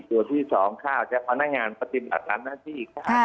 ตัวที่สองค่าจากพนักงานปฏิบัติละน้าที่